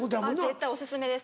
絶対お薦めです。